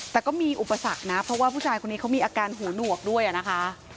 แต่ก็มีอุปสรรคนะเพราะว่าผู้ชายคนนี้เขามีอาการหูหนวกด้วยนะคะ